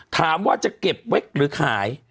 ถามว่าจะเก็บไว้หรือขาย